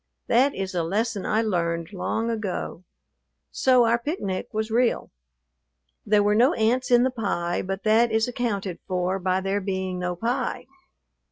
That is a lesson I learned long ago; so our picnic was real. There were no ants in the pie, but that is accounted for by there being no pie.